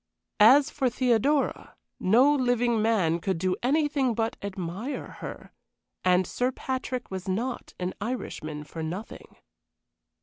As for Theodora, no living man could do anything but admire her, and Sir Patrick was not an Irishman for nothing.